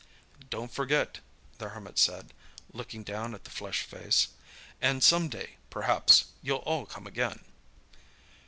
"Don't forget," the Hermit said, looking down at the flushed face. "And some day, perhaps, you'll all come again."